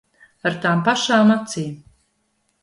Ar tām pašām acīm.